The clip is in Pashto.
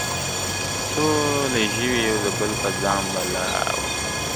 ټوله ژوي یو د بل په ځان بلا وه !.